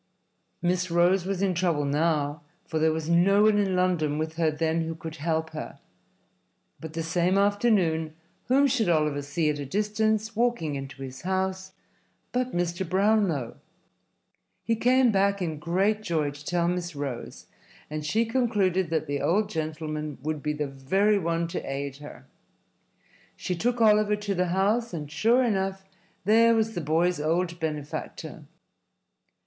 Miss Rose was in trouble now, for there was no one in London with her then who could help her. But the same afternoon, whom should Oliver see at a distance, walking into his house, but Mr. Brownlow. He came back in great joy to tell Miss Rose, and she concluded that the old gentleman would be the very one to aid her. She took Oliver to the house, and, sure enough, there was the boy's old benefactor.